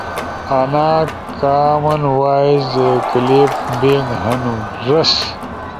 آنا کام ن وائے اے کلپس بنک ہنُو۔ رس